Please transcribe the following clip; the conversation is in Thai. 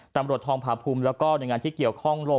ตำรวจทองผาภูมิแล้วก็หน่วยงานที่เกี่ยวข้องลง